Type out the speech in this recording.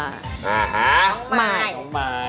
อึ้ยอาหะ